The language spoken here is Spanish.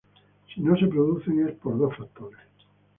Si no se producen es por dos factores.